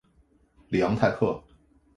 里昂泰克。